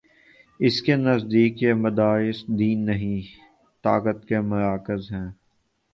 اس کے نزدیک یہ مدارس دین نہیں، طاقت کے مراکز ہیں۔